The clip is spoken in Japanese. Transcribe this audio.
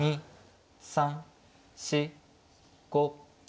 ３４５。